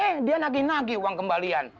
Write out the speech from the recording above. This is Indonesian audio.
eh dia nagih nagi uang kembalian